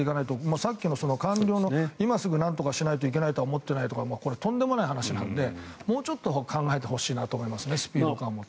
さっきの官僚の今すぐなんとかしないととは思っていないとかとんでもない話なのでもうちょっと考えてほしいなと思いますねスピード感を持って。